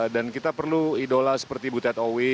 dan kita perlu idola seperti butet owi